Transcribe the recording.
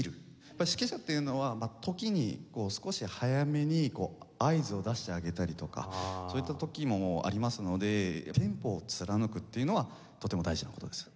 指揮者っていうのは時に少し早めに合図を出してあげたりとかそういった時もありますのでテンポを貫くっていうのはとても大事な事です。